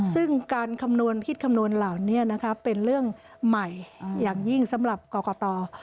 ซึ่งการคำนวณคิดคำนวณเหล่านี้เป็นเรื่องใหม่อย่างยิ่งสำหรับกรกต